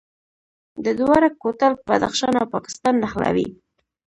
د دوراه کوتل بدخشان او پاکستان نښلوي